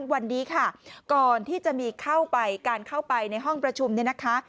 วันนี้ค่ะก่อนที่จะมีเข้าไปการเข้าไปในห้องประชุมเนี่ยนะคะ